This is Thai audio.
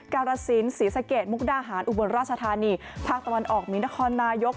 การสินศรีสะเกดมุกดาหารอุบลราชธานีภาคตะวันออกมีนครนายก